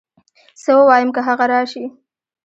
څه ووايم که هغه راشي